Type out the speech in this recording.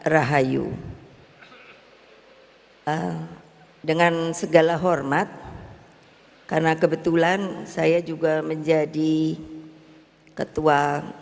rahayu dengan segala hormat karena kebetulan saya juga menjadi ketua